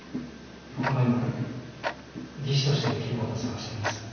僕も今技師としてできることを探しています。